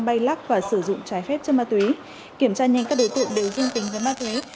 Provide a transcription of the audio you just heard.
bay lắc và sử dụng trái phép chất ma túy kiểm tra nhanh các đối tượng đều dương tính với ma túy